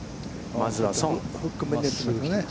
まずは宋。